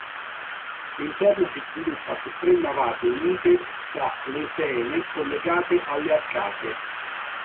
L'interno si sviluppa su tre navate unite da lesene collegate alle arcate.